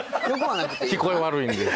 聞こえ悪いんで。